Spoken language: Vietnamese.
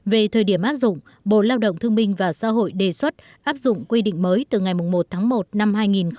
về thời điểm áp dụng bộ lao động thương minh và xã hội đề xuất áp dụng quy định mới từ ngày một tháng một năm hai nghìn hai mươi